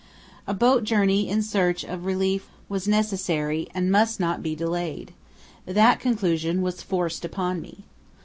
A boat journey in search of relief was necessary and must not be delayed. That conclusion was forced upon me.